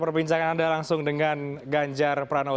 perbincangan anda langsung dengan ganjar pranowo